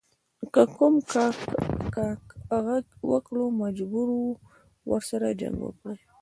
که کوم کاکه ږغ وکړ مجبور و ورسره جنګ وکړي.